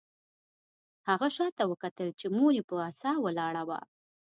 هغه شاته وکتل چې مور یې په عصا ولاړه وه